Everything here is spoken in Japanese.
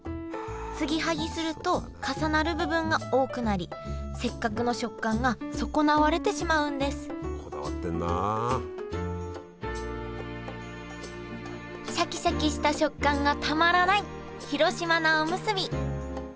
継ぎはぎすると重なる部分が多くなりせっかくの食感が損なわれてしまうんですシャキシャキした食感がたまらない広島菜おむすび。